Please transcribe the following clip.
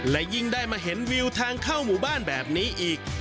และยิ่งได้มาเห็นวิวทางเข้าหมู่บ้านแบบนี้อีก